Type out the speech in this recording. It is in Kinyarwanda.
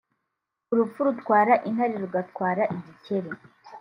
urupfu rutwara intare rugatwara igikeri